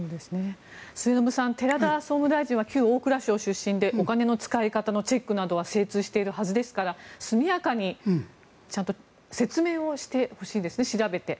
末延さん寺田総務大臣は旧大蔵省出身でお金の使い方のチェックなどは精通しているはずですから速やかにちゃんと説明をしてほしいですね、調べて。